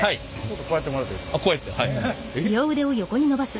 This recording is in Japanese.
こうやってもらっていいですか？